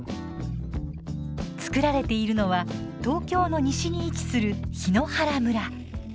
作られているのは東京の西に位置する檜原村。